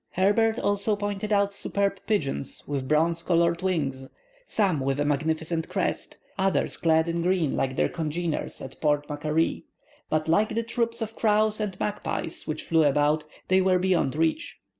Herbert also pointed out superb pigeons with bronze colored wings, some with a magnificent crest, others clad in green, like their congeners at Port Macquarie; but like the troops of crows and magpies which flew about, they were beyond reach.